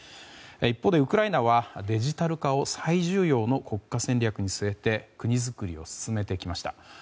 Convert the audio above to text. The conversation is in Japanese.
一方でウクライナはデジタル化を最重要の国家戦略に据えて国づくりを進めてきました。